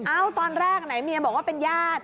ตอนแรกไหนเมียบอกว่าเป็นญาติ